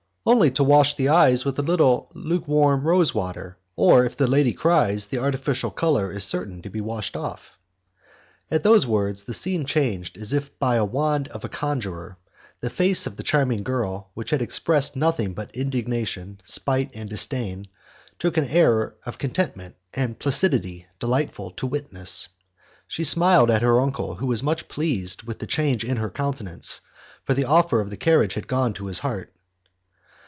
"Only to wash the eyes with a little lukewarm rose water; or if the lady cries, the artificial colour is certain to be washed off." At those words, the scene changed as if by the wand of a conjuror. The face of the charming girl, which had expressed nothing but indignation, spite and disdain, took an air of contentment and of placidity delightful to witness. She smiled at her uncle who was much pleased with the change in her countenance, for the offer of the carriage had gone to his heart.